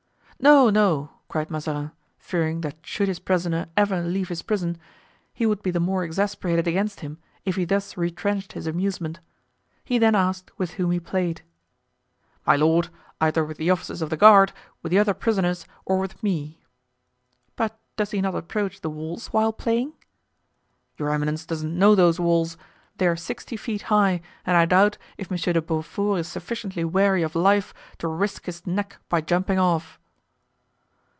"No, no!" cried Mazarin, fearing that should his prisoner ever leave his prison he would be the more exasperated against him if he thus retrenched his amusement. He then asked with whom he played. "My lord, either with the officers of the guard, with the other prisoners, or with me." "But does he not approach the walls while playing?" "Your eminence doesn't know those walls; they are sixty feet high and I doubt if Monsieur de Beaufort is sufficiently weary of life to risk his neck by jumping off."